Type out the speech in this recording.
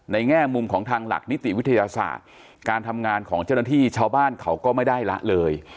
แง่มุมของทางหลักนิติวิทยาศาสตร์การทำงานของเจ้าหน้าที่ชาวบ้านเขาก็ไม่ได้ละเลย